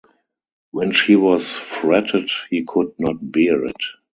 When she was fretted he could not bear it.